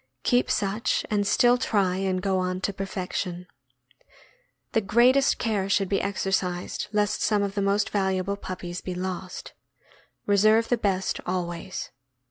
Keep such, and still try and go on to perfection. The greatest care should be exer cised lest some of the most valuable puppies be lost. Re serve the best always.